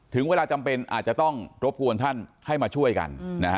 ถึงเวลาจำเป็นอาจจะต้องรบกวนท่านให้มาช่วยกัน